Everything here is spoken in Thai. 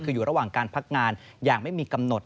คืออยู่ระหว่างการพักงานอย่างไม่มีกำหนด